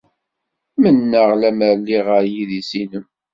Mennaɣ lemmer lliɣ ɣer yidis-nnem.